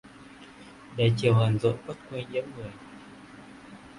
Để chiều hờn dỗi quắt quay nhớ người